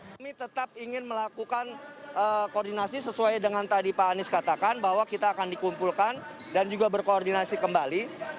kami tetap ingin melakukan koordinasi sesuai dengan tadi pak anies katakan bahwa kita akan dikumpulkan dan juga berkoordinasi kembali